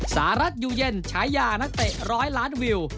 สหรัฐอยู่เย็นฉายานักเตะ๑๐๐ล้านวิว